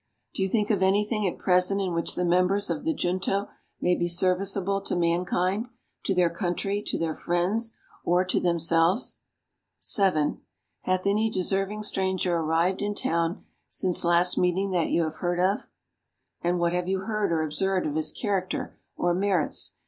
Do you think of anything at present in which the members of the Junto may be serviceable to mankind, to their country, to their friends, or to themselves? 7. Hath any deserving stranger arrived in town since last meeting that you have heard of? And what have you heard or observed of his character or merits?